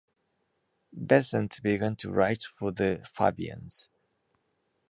Besant began to write for the Fabians.